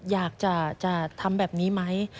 อยากจะทำแบบนี้ไหม